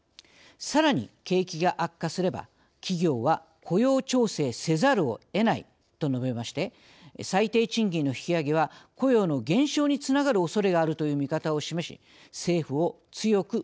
さらに景気が悪化すれば企業は雇用調整せざるをえないと述べまして最低賃金の引き上げは雇用の減少につながるおそれがあるという見方を示し政府を強くけん制しました。